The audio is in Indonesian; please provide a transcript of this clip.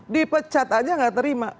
dipecat aja nggak terima